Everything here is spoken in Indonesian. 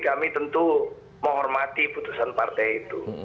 kami tentu menghormati putusan partai itu